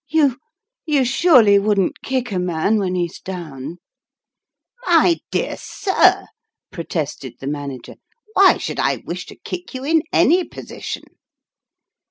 " You you surely wouldn't kick a man when he's down !"" My dear sir !" protested the Manager, " why should I wish to kick you in any posi tion